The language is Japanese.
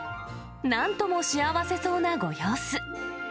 なんとも幸せそうなご様子。